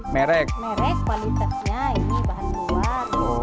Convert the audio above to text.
merek kualitasnya ini bahan luar